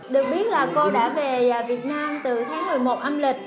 được biết là cô đã về việt nam từ tháng một mươi một âm lịch